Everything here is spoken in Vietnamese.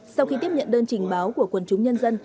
sau khi tiếp nhận đơn trình báo của quần chúng nhân dân